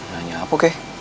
nanya apa keh